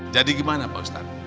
jadi gimana pak ustaz